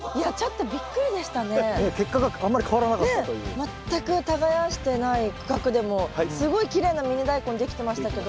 全く耕してない区画でもすごいきれいなミニダイコンできてましたけど。